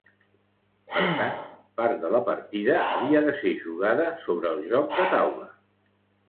Per tant, part de la partida havia de ser jugada sobre el joc de taula.